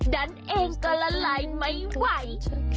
ดันเองก็ละลายไม่ไหว